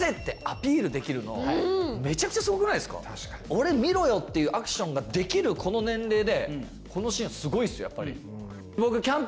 「俺見ろよ」っていうアクションができるこの年齢でこのシーンはすごいですやっぱり。